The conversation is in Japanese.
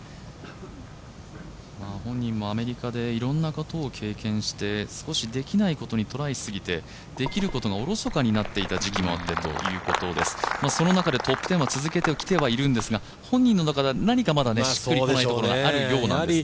本人もアメリカでいろんなことを経験して少しできないことにトライしすぎてできることをおろそかにしていたというところその中でトップ１０は続けてきてはいるんですけど本人の中では何かまだしっくりこないところがあるようなんです。